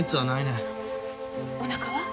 おなかは？